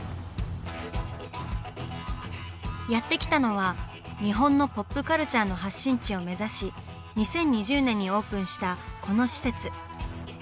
やって来たのは日本のポップカルチャーの発信地を目指し２０２０年にオープンしたこの施設。